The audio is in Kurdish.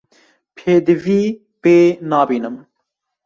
Pêdivî pê nabînim.